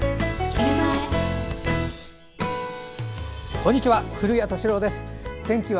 こんにちは。